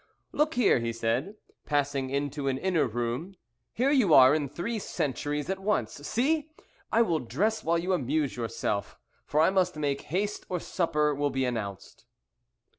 "Look here," he said, passing into an inner room, "here you are in three centuries at once see! I will dress while you amuse yourself, for I must make haste or supper will be announced."